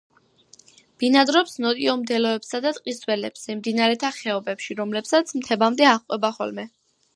ბინადრობს ნოტიო მდელოებსა და ტყის ველებზე, მდინარეთა ხეობებში, რომლებსაც მთებამდე აჰყვება ხოლმე.